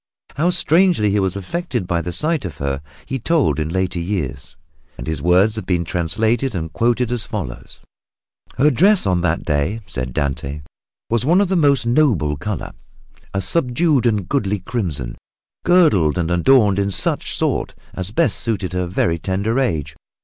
How strangely he was affected by the sight of her he told in later years, and his words have been translated and quoted as follows: "Her dress, on that day," said Dante, "was of a most noble color, a subdued and goodly crimson, girdled and adorned in such sort as best suited her very tender age.